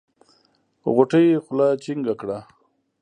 غوټۍ خوله جينګه کړه.